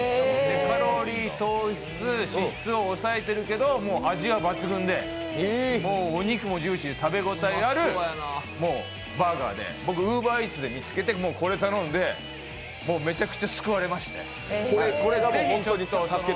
カロリー、糖質、資質を抑えているけれども、味は抜群で、お肉もジューシー、食べ応えがあるバーガーで僕、ＵｂｅｒＥａｔｓで見つけてこれ頼んでめちゃくちゃ救われましたね。